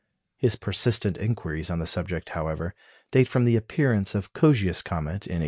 His persistent inquiries on the subject, however, date from the appearance of Coggia's comet in 1874.